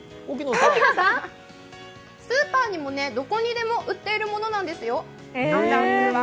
スーパーにも、どこにでも売ってるものなんですよ、アンダンスーは。